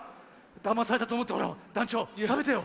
だまされたとおもってほらだんちょうたべてよ。